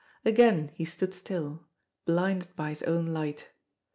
Again he stood still, blinded by his own light.